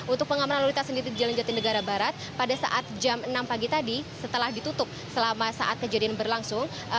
untuk pengamanan lalu lintas sendiri di jalan jatinegara barat pada saat jam enam pagi tadi setelah ditutup selama saat kejadian berlangsung